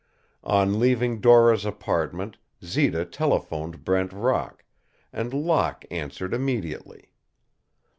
On leaving Dora's apartment, Zita telephoned Brent Rock, and Locke answered immediately.